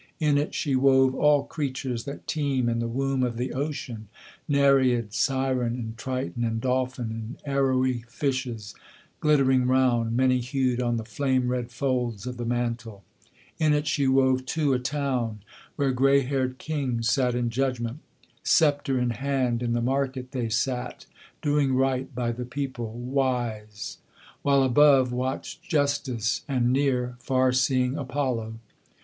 In it she wove all creatures that teem in the womb of the ocean; Nereid, siren, and triton, and dolphin, and arrowy fishes Glittering round, many hued, on the flame red folds of the mantle. In it she wove, too, a town where gray haired kings sat in judgment; Sceptre in hand in the market they sat, doing right by the people, Wise: while above watched Justice, and near, far seeing Apollo.